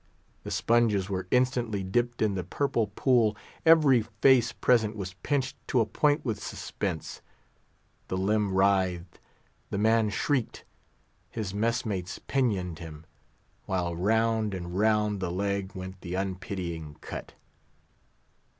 The sponges were instantly dipped in the purple pool; every face present was pinched to a point with suspense; the limb writhed; the man shrieked; his mess mates pinioned him; while round and round the leg went the unpitying cut.